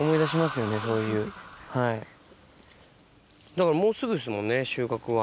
だからもうすぐですもんね収穫は。